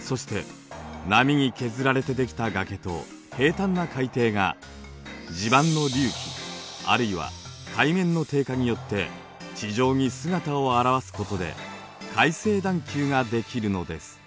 そして波に削られてできた崖と平坦な海底が地盤の隆起あるいは海面の低下によって地上に姿をあらわすことで海成段丘ができるのです。